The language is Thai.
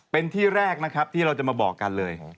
เป็นที่แรกที่เราจะมาบอกกันเลย